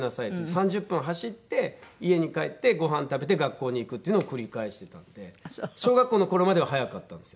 ３０分走って家に帰ってご飯食べて学校に行くっていうのを繰り返してたので小学校の頃までは速かったんですよね。